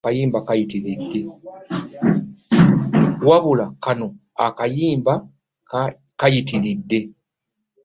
Wabula kano akayimba kaayitiridde.